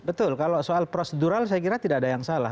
betul kalau soal prosedural saya kira tidak ada yang salah